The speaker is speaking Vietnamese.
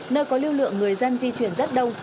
nơi có lưu lượng người dân di chuyển rất đông